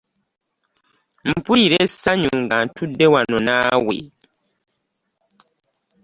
Mpulira esanyu nga ntudde wano naawe.